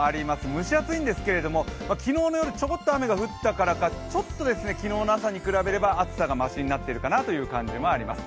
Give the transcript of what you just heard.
蒸し暑いんですけれども、昨日の夜ちょこっと雨が降ったからかちょっと昨日の朝に比べれば暑さがましになっているのかなと感じます。